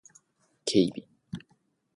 警備